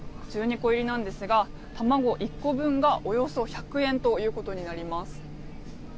１２個入りなんですが卵１個分がおよそ１００円ということになります。